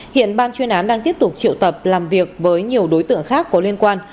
hiện ban chuyên án đang tiếp tục triệu tập làm việc với nhiều đối tượng khác có liên quan